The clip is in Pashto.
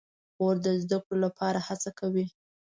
خور د زده کړو لپاره هڅه کوي.